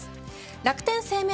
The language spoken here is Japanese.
楽天生命